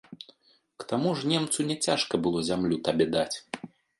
К таму ж немцу не цяжка было зямлю табе даць.